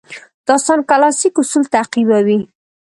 داستان کلاسیک اصول تعقیبوي.